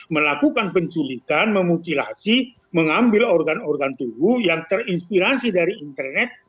melakukan penculikan memutilasi mengambil organ organ tubuh yang terinspirasi dari internet